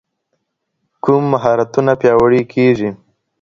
کوم مهارتونه پیاوړي کېږي؟